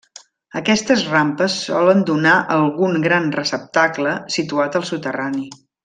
Aquestes rampes solen donar a algun gran receptacle situat al soterrani.